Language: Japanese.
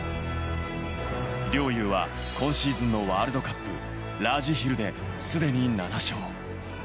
陵侑は今シーズンのワールドカップ、ラージヒルですでに７勝。